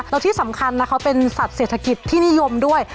แล้วที่สำคัญนะคะเป็นสัตว์เศรษฐกิจที่นิยมด้วย